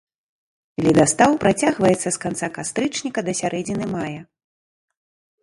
Ледастаў працягваецца з канца кастрычніка да сярэдзіны мая.